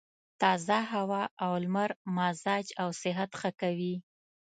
تازه هوا او لمر مزاج او صحت ښه کوي.